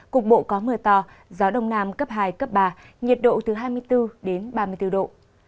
cục bộ có mưa to gió đông nam cấp hai cấp ba nhiệt độ từ hai mươi bốn đến ba mươi bốn độ